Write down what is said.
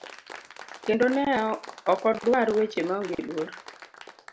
kendo ne okodwar weche maonge luor.